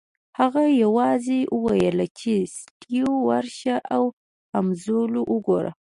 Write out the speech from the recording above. هغه یوازې وویل چې سټیو ورشه او هولمز وګوره